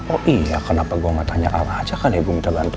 oh iya kenapa gua gak tanya allah aja kali ya gua minta bantuan